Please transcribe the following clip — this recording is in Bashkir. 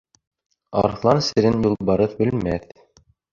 Арыҫлан серен юлбарыҫ белмәҫ.